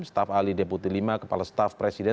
staf ahli deputi lima kepala staf presiden